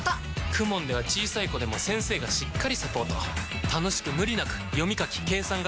ＫＵＭＯＮ では小さい子でも先生がしっかりサポート楽しく無理なく読み書き計算が身につきます！